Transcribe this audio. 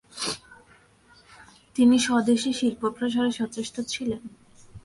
তিনি স্বদেশী শিল্পপ্রসারে সচেষ্ট ছিলেন।